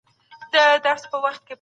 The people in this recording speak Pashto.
د پروګرامونو څارنه بايد هېره نسي.